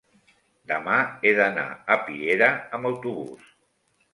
demà he d'anar a Piera amb autobús.